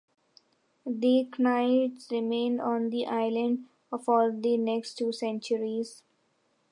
The Knights remained on the Island for the next two centuries.